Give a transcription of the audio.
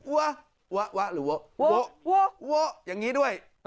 วะวะวะหรือวะวะวะวะอย่างนี้ด้วย